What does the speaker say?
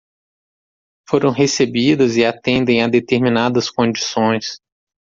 foram recebidas e atendem a determinadas condições.